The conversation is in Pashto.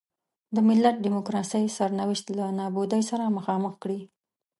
د ملت د ډیموکراسۍ سرنوشت له نابودۍ سره مخامخ کړي.